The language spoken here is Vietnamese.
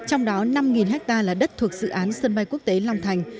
trong đó năm ha là đất thuộc dự án sân bay quốc tế long thành